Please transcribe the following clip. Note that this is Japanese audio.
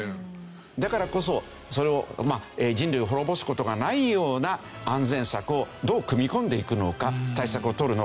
だからこそそれを人類を滅ぼす事がないような安全策をどう組み込んでいくのか対策を取るのか